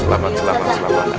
selamat selamat selamat